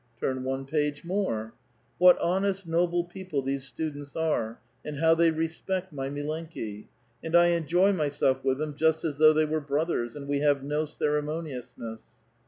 "Turn one page more." " What honest, noble people these students are, and how they respect my inilenki. And I enjoy myself with them just as though they were brothers, and we have no ceremouious ness."